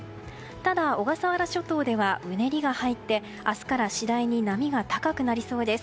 ただ、小笠原諸島ではうねりが入って明日から次第に波が高くなりそうです。